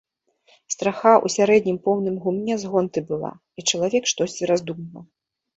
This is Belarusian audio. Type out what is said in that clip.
Страха ў сярэднім поўным гумне з гонты была, і чалавек штосьці раздумваў.